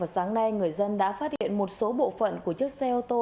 sáng nay người dân đã phát hiện một số bộ phận của chiếc xe ô tô